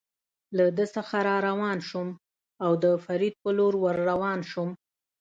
له ده څخه را روان شوم، د او فرید په لور ور روان شوم.